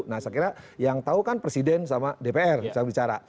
nah saya kira yang tahu kan presiden sama dpr